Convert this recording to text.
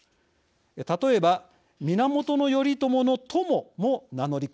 例えば源頼朝の「トモ」も名乗り訓。